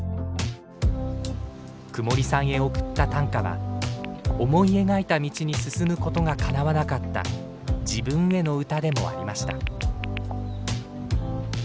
くもりさんへ送った短歌は思い描いた道に進むことがかなわなかった自分への歌でもありました。